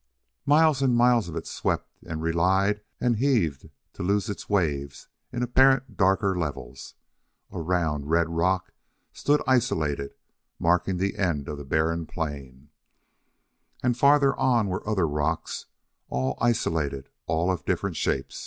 Miles and miles it swept and relied and heaved to lose its waves in apparent darker level. A round, red rock stood isolated, marking the end of the barren plain, and farther on were other round rocks, all isolated, all of different shape.